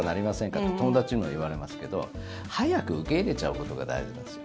って友達にも言われますけど早く受け入れちゃうことが大事なんですよ。